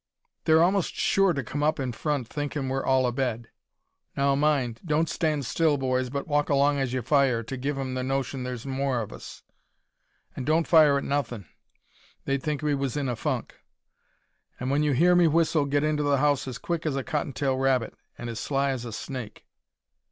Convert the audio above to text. "They're a'most sure to come up in front thinkin' we're all a bed. Now, mind don't stand still, boys, but walk along as ye fire, to give 'em the notion there's more of us. An' don't fire at nothin'. They'd think we was in a funk. An' when you hear me whistle get into the house as quick as a cotton tail rabbit an' as sly as a snake."